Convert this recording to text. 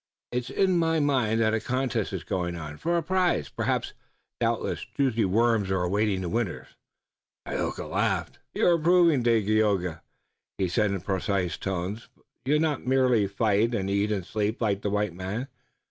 It's in my mind that a contest is going on, for a prize, perhaps. Doubtless juicy worms are awaiting the winners." Tayoga laughed. "You are improving, Dagaeoga," he said in precise tones. "You do not merely fight and eat and sleep like the white man.